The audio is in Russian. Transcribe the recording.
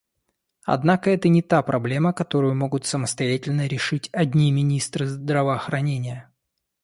Однако это не та проблема, которую могут самостоятельно решить одни министры здравоохранения.